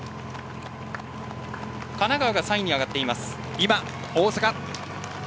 神奈川が３位に上がっています。